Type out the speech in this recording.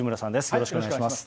よろしくお願いします。